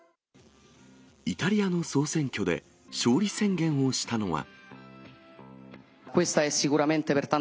イタリアの総選挙で、勝利宣言をしたのは。